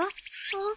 あっ。